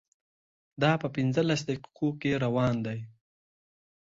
دا په پنځلس دقیقو کې روان دی.